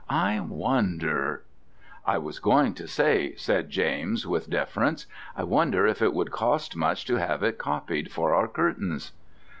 I wonder " "I was going to say," said James with deference, "I wonder if it would cost much to have it copied for our curtains."